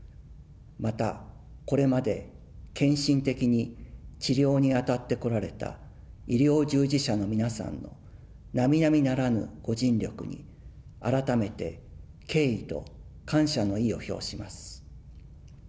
また、これまで献身的に治療に当たってこられた医療従事者の皆さんの並々ならぬご尽力に、改めて敬意と感謝の意を表します。